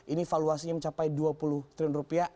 ini valuasinya mencapai dua puluh triliun rupiah